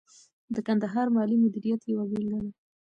د کندهار مالي مدیریت یوه بیلګه ده.